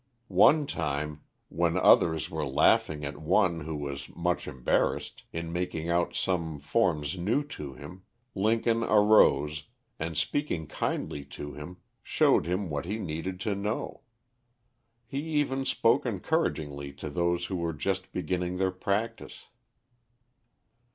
One time, when others were laughing at one who was much embarrassed, in making out some forms new to him, Lincoln arose, and speaking kindly to him, showed him what he needed to know. He even spoke encouragingly to those who were just beginning their practice.